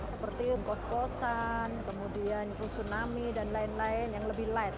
seperti kos kosan kemudian tsunami dan lain lain yang lebih light